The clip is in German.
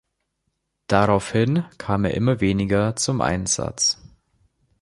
Daraufhin kam er immer weniger zum Einsatz.